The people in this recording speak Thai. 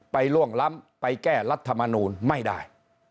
ล่วงล้ำไปแก้รัฐมนูลไม่ได้